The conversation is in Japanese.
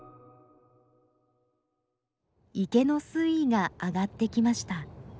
池の水位が上がってきました。